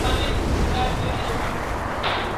هر سړی به مستقیم پر لاري تللای ..